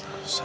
ya allah mbak